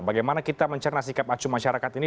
bagaimana kita mencerna sikap acu masyarakat ini